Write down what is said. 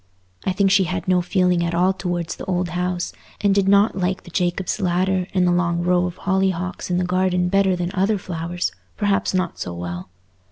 I think she had no feeling at all towards the old house, and did not like the Jacobb's Ladder and the long row of hollyhocks in the garden better than other flowers—perhaps not so well.